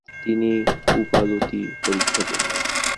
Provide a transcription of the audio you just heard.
তিনি উকালতি পরীক্ষা দেন।